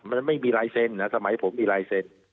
มันไม่มีลายเซ็นนะสมัยผมมีลายเซ็นต์